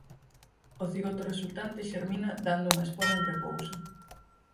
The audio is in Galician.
O cigoto resultante xermina dando unha espora en repouso.